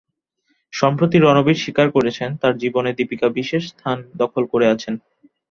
সম্প্রতি রণবীর স্বীকার করেছেন, তাঁর জীবনে দীপিকা বিশেষ স্থান দখল করে আছেন।